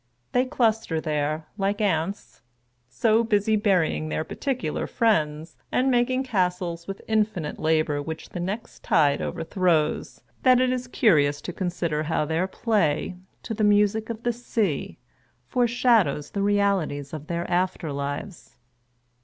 They cluster there, like ants : so busy buiying their par ticular friends, and making castles with in finite labor which the next tide overthrows, that it is curious to consider how their play, to the music of the sea, foreshadows the realities of their after lives.